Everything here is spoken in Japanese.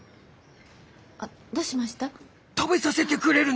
あどうしました？